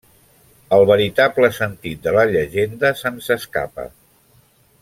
El veritable sentit de la llegenda se'ns escapa.